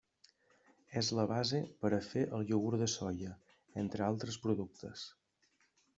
És la base per a fer el iogurt de soia, entre altres productes.